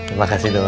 terima kasih dong